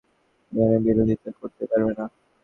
কিন্তু আপনার ভাষ্যমতে কেউ এখানে বিরোধিতা করতে পারবে না।